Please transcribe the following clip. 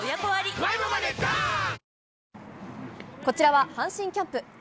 こちらは阪神キャンプ。